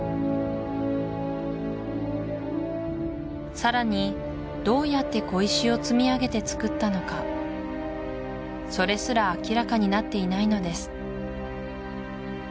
さらにどうやって小石を積み上げてつくったのかそれすら明らかになっていないのです